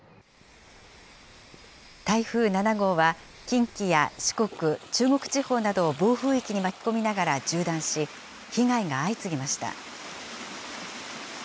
台風７号は近畿や四国、中国地方などを暴風域に巻き込みながら縦断し、被害が相次ぎました。